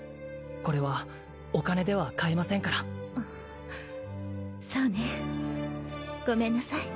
これはお金では買えませんからそうねごめんなさい